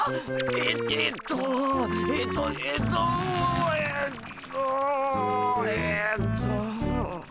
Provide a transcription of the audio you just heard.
ええっとえっとえっとえっとえっと。